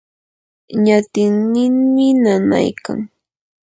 ñatinninmi nanaykan.